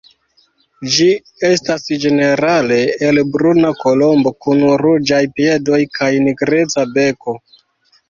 Ĝi estas ĝenerale helbruna kolombo kun ruĝaj piedoj kaj nigreca beko.